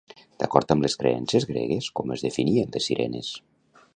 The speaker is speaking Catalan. D'acord amb les creences gregues, com es definien les Sirenes?